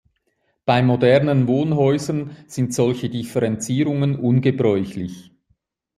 Bei modernen Wohnhäusern sind solche Differenzierungen ungebräuchlich.